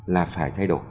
là phải thay đổi